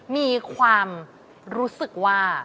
มีความรู้สึกว่า